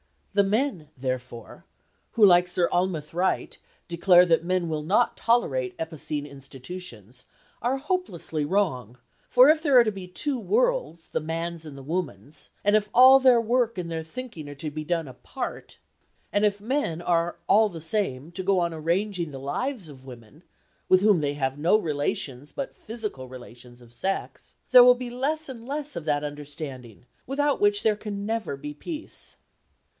The men, therefore, who, like Sir Almroth Wright, declare that men will not tolerate epicene institutions, are hopelessly wrong, for if there are to be two worlds, the man's and the woman's, and if all their work and their thinking are to be done apart, and if men are all the same to go on arranging the lives of women, with whom they have no relations but physical relations of sex, there will be less and less of that understanding, without which there can never be peace.